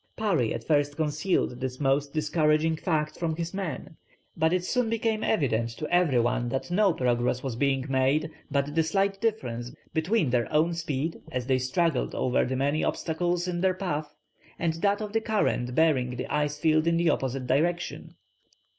Parry at first concealed this most discouraging fact from his men; but it soon became evident to every one that no progress was being made, but the slight difference between their own speed as they struggled over the many obstacles in their path and that of the current bearing the ice field in the opposite direction.